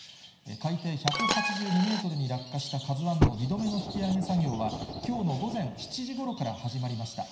海底１８２メートルに落下したＫＡＺＵＩの２度目の引き揚げ作業は、きょうの午前７時ごろから始まりました。